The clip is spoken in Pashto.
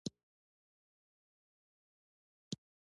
که مجبور نه وى ولا کې مې